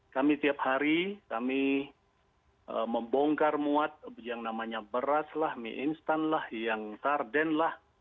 kami tiap hari kami membongkar muat yang namanya beraslah mie instanlah yang tardinlah